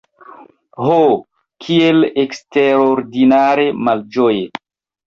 Ho, kiel eksterordinare malĝoje!